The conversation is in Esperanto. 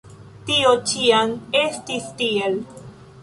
Tio ĉiam estis tiel.